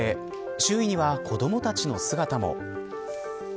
周囲には子どもたちの姿も。